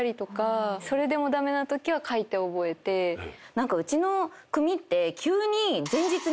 何かうちの組って。